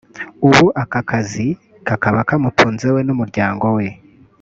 ubu aka kazi kakaba kamutunze we n’umuryango we